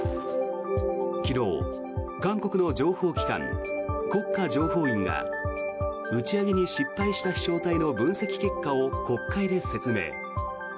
昨日、韓国の情報機関国家情報院が打ち上げに失敗した飛翔体の分析結果を国会で説明。